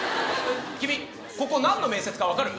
君ここ何の面接か分かる？